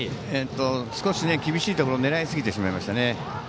少し厳しいところ狙いすぎてしまいましたね。